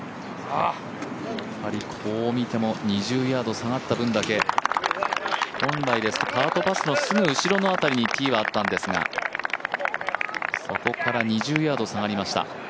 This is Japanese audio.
２０ヤード下がった分だけ本来ですと、カートパスのすぐ後ろの辺りにピンはあったんですがそこから２０ヤード下がりました。